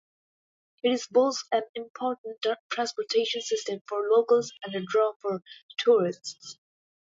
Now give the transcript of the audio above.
It is both an important transportation system for locals and a draw for tourists.